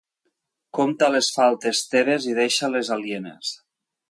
Compta les faltes teves i deixa les alienes.